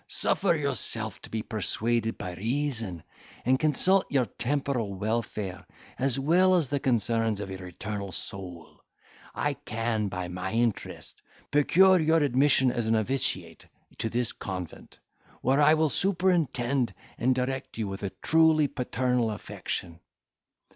Suffer yourself to be persuaded by reason, and consult your temporal welfare, as well as the concerns of your eternal soul. I can, by my interest procure your admission as a noviciate to this convent, where I will superintend and direct you with a truly paternal affection."